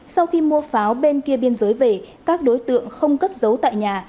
sau khi mua pháo bên kia biên giới về các đối tượng không cất giấu tại nhà